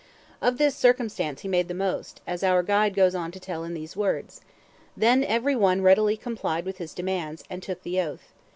Of this circumstance he made the most, as our guide goes on to tell in these words: "Then every one readily complied with his demand; and took the oath.